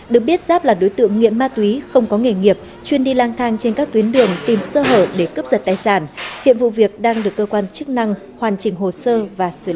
được biết giáp là đối tượng nghiện ma túy không có nghề nghiệp chuyên đi lang thang trên các tuyến đường tìm sơ hở để cướp giật tài sản hiện vụ việc đang được cơ quan chức năng hoàn chỉnh hồ sơ và xử lý